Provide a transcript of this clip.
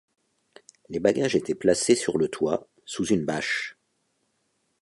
Les bagages étaient placés sur le toit, sous une bâche.